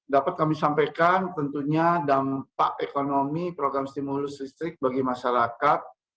dapat kami sampaikan tentunya dampak ekonomi program stimulus listrik bagi masyarakat